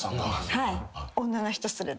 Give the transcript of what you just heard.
はい。